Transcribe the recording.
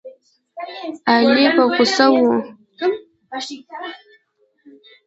علي په غوسه و.